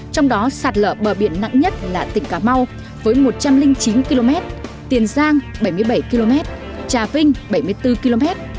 trong đó sạt lở bờ biển nặng nhất là tỉnh cà mau với một trăm linh chín km tiền giang bảy mươi bảy km trà vinh bảy mươi bốn km